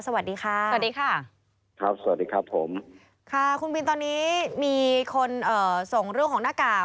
สวัสดีค่ะสวัสดีค่ะครับสวัสดีครับผมค่ะคุณบินตอนนี้มีคนเอ่อส่งเรื่องของหน้ากาก